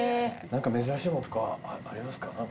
何か珍しいものとかありますか？